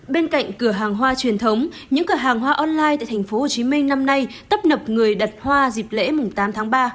bên cạnh cửa hàng hoa truyền thống những cửa hàng hoa online tại tp hcm năm nay tấp nập người đặt hoa dịp lễ tám tháng ba